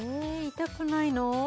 痛くないの？